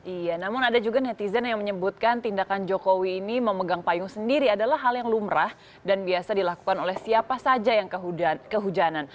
iya namun ada juga netizen yang menyebutkan tindakan jokowi ini memegang payung sendiri adalah hal yang lumrah dan biasa dilakukan oleh siapa saja yang kehujanan